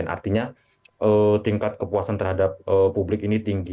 artinya tingkat kepuasan terhadap publik ini tinggi